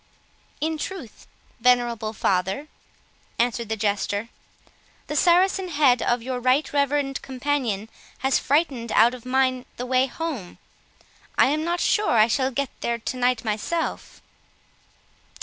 "In truth, venerable father," answered the Jester, "the Saracen head of your right reverend companion has frightened out of mine the way home—I am not sure I shall get there to night myself."